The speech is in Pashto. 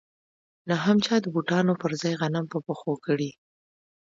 نه هم چا د بوټانو پر ځای غنم په پښو کړي